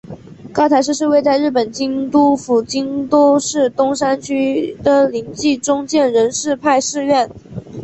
高台寺是位在日本京都府京都市东山区的临济宗建仁寺派寺院。